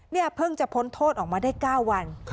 เพิ่งจะพ้นโทษออกมาได้๙วัน